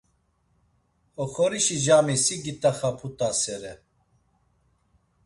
Oxorişi cami si git̆axaput̆asere.